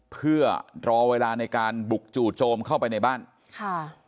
เพื่อรอเวลาในการบุกจู่โจมเข้าไปในบ้านค่ะ